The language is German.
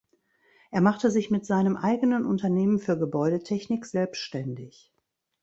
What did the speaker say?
Er machte sich mit seinem eigenen Unternehmen für Gebäudetechnik selbständig.